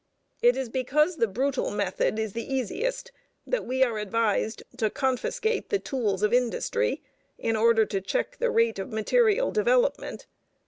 It is because the brutal method is the easiest that we are advised to confiscate the tools of industry in order to check the rate of material development.